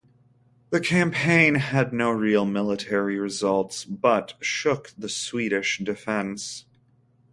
The campaign had no real military results but shook the Swedish defense.